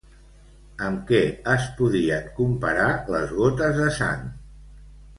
Amb què es podien comparar les gotes de sang?